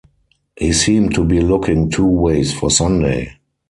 He seemed to be looking two ways for Sunday.